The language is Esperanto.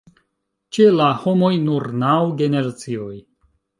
Ĉe la homoj nur naŭ generacioj.